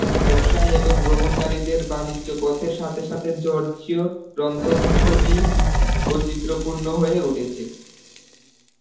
ব্যবসায়ী এবং ভ্রমণকারীদের বাণিজ্য পথের সাথে সাথে জর্জীয় রন্ধনশৈলী বৈচিত্র্যপূর্ণ হয়ে উঠেছে।